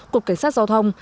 cục cảnh sát giao thông